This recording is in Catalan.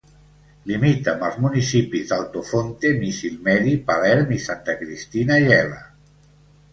Limita amb els municipis d'Altofonte, Misilmeri, Palerm i Santa Cristina Gela.